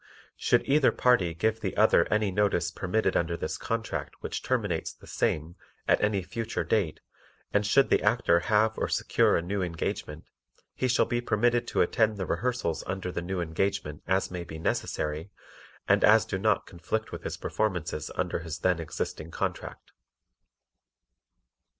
Should either party give the other any notice permitted under this contract which terminates the same at any future date and should the Actor have or secure a new engagement he shall be permitted to attend the rehearsals under the new engagement as may be necessary and as do not conflict with his performances under his then existing contract.